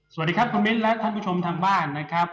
สวัสดีครับคุณมิ้นและท่านผู้ชมทางบ้านนะครับ